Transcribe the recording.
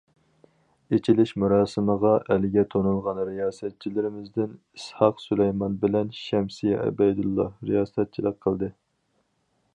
ئېچىلىش مۇراسىمىغا ئەلگە تونۇلغان رىياسەتچىلىرىمىزدىن ئىسھاق سۇلايمان بىلەن شەمسىيە ئەبەيدۇللا رىياسەتچىلىك قىلدى.